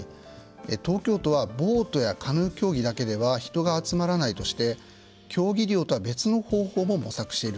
東京都はボートやカヌー競技だけでは人が集まらないとして競技利用とは別の方法も模索しているんです。